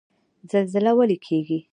زلزله ولې کیږي؟